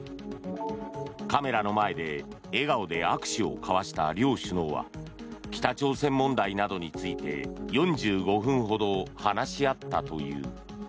カメラの前で笑顔で握手を交わした両首脳は北朝鮮問題などについて４５分ほど話し合ったという。